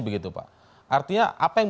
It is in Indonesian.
begitu pak artinya